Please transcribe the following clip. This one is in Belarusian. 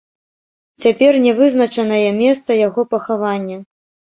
Цяпер не вызначанае месца яго пахавання.